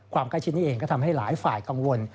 ใกล้ชิดนี้เองก็ทำให้หลายฝ่ายกังวล